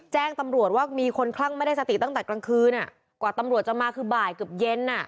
แจ้งตำรวจว่ามีคนคลั่งไม่ได้สติตั้งแต่กลางคืนกว่าตำรวจจะมาคือบ่ายเกือบเย็น